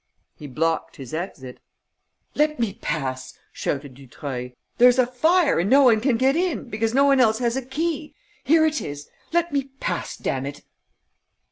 He blocked his exit. "Let me pass," shouted Dutreuil. "There's a fire and no one can get in, because no one else has a key. Here it is. Let me pass, damn it!"